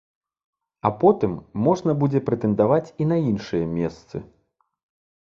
А потым можна будзе прэтэндаваць і на іншыя месцы.